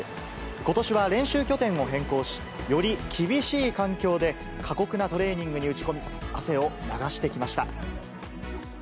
ことしは練習拠点を変更し、より厳しい環境で、過酷なトレーニングに打ち込み、汗を流してきました。